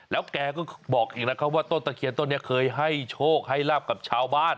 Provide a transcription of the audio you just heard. แล้วแกก็บอกอีกนะครับว่าต้นตะเคียนต้นนี้เคยให้โชคให้ลาบกับชาวบ้าน